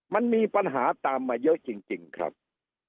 มันมีปัญหาตามมาเยอะจริงครับ